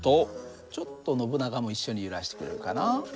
ちょっとノブナガも一緒に揺らしてくれるかな。